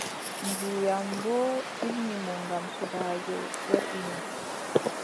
Ndiyam boo ilni mo ngam sobaajo yerɓi mo.